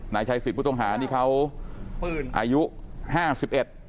นายชัยสิทธิ์ผู้ต้องหานี่เขาอายุห้าสิบเอ็ด